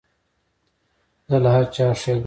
زه له هر چا ښېګڼه غواړم.